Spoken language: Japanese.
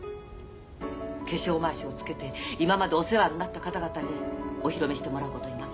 化粧まわしをつけて今までお世話になった方々にお披露目してもらうことになったのよ。